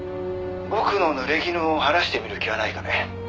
「僕のぬれぎぬを晴らしてみる気はないかね？」